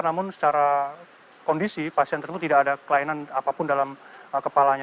namun secara kondisi pasien tersebut tidak ada kelainan apapun dalam kepalanya